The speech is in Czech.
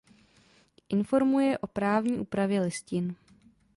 Informuje o právní úpravě listin.